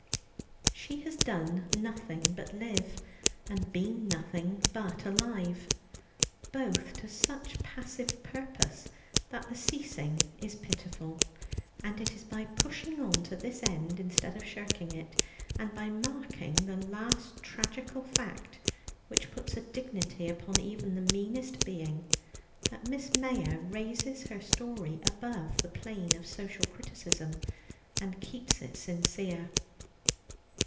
She has done nothing but live and been nothing but alive, both to such passive purpose that the ceasing is pitiful; and it is by pushing on to this end, instead of shirking it, and by marking the last tragical fact which puts a dignity upon even the meanest being, that Miss Mayor raises her story above the plane of social criticism, and keeps it sincere.